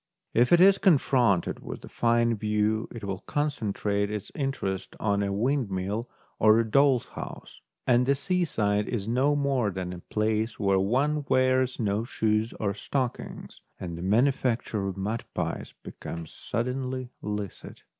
If it is confronted with a fine view, it will con centrate its interest on a windmill or a doll's house, and the seaside is no more than a place where one wears no shoes or stockings, and the manufacture of mud pies becomes suddenly licit.